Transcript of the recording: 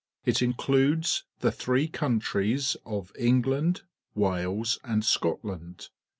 It includes the three countries of England, Wales, and Scotland.